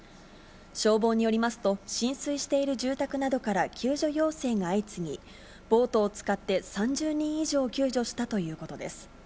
消防によりますと、浸水している住宅などから救助要請が相次ぎ、ボートを使って３０人以上救助したということです。